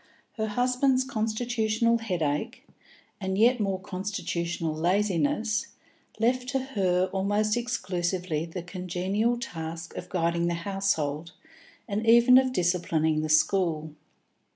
Her husband's constitutional headache, and yet more constitutional laziness, left to her almost exclusively the congenial task of guiding the household, and even of disciplining the school.